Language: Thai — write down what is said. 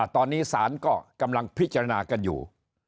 ตอนนี้ศาลก็กำลังพิจารณากันอยู่